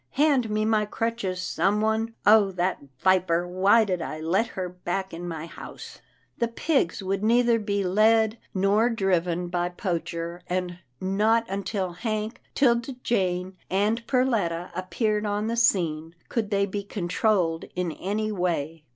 Hand me my crutches someone — Oh! that viper — why did I let her back in my house? " The pigs would neither be led nor driven by Poacher, and not until Hank, 'Tilda Jane, and Per letta appeared on the scene, could they be con trolled in any way.